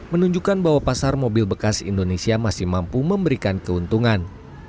menunjukkan bahwa pasar mobil bekas indonesia masih mampu memberikan keuntungan